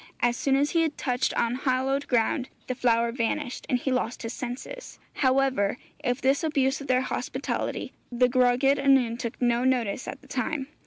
As soon as he had touched unhallowed ground the flower vanished, and he lost his senses. However, of this abuse of their hospitality the Gwragedd Annwn took no notice at the time.